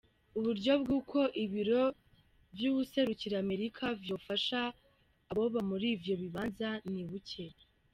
Uburyo bwuko ibiro vy'uwuserukira Amerika vyofasha aboba muri ivyo bibanza ni buke.